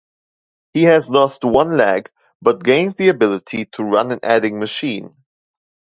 He has lost one leg, but gained the ability to run an adding machine.